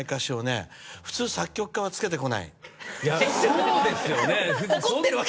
そうですよね。